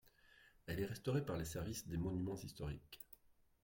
Elle est restaurée par le service des Monuments historiques.